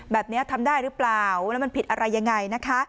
แบบนี้ทำได้หรือเปล่าแล้วมันผิดอะไรยังไงนะคะ